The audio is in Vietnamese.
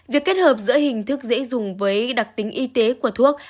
việc kết hợp giữa hình thức dễ dùng với đặc tính y tế của thuốc